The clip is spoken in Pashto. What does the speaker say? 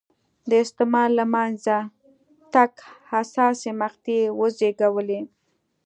د استعمار له منځه تګ حساسې مقطعې وزېږولې.